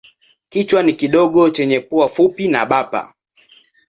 Kichwa ni kidogo chenye pua fupi na bapa.